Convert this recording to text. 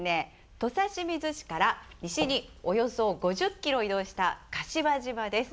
土佐清水市から西におよそ５０キロ移動した柏島です。